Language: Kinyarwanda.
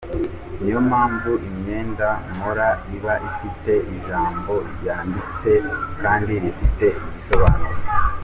Niyo mpamvu imyenda nkora iba ifite ijambo ryanditse kandi rifite igisobanuro.